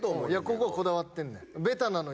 ここはこだわってんねん。